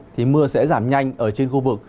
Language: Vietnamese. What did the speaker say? thì mưa sẽ giảm nhanh ở trên khu vực